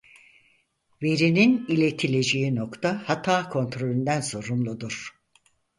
Verinin iletileceği nokta hata kontrolünden sorumludur.